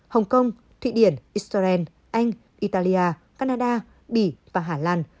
hồng kông thụy điển israel anh italia canada bỉ và hà lan